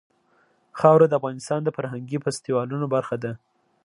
خاوره د افغانستان د فرهنګي فستیوالونو برخه ده.